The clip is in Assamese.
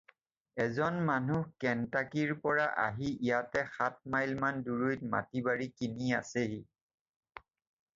এজন মানুহ কেণ্টাকীৰ পৰা আহি ইয়াৰে সাত মাইলমান দূৰৈত মাটি বাৰী কিনি আছেহি।